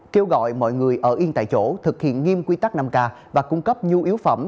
kêu gọi mọi người ở yên tại chỗ thực hiện nghiêm quy tắc năm k và cung cấp nhu yếu phẩm